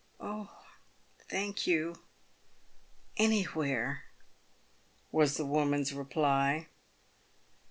" Oh, thank you — anywhere," was the woman's reply.